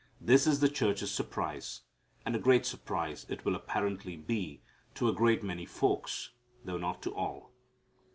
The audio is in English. This is the church's surprise, and a great surprise it will apparently be to a great many folks, though not to all.